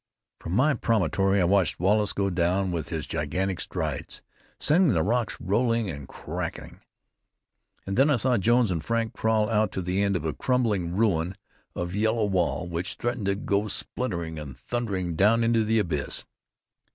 From my promontory I watched Wallace go down with his gigantic strides, sending the rocks rolling and cracking; and then I saw Jones and Frank crawl out to the end of a crumbling ruin of yellow wall which threatened to go splintering and thundering down into the abyss.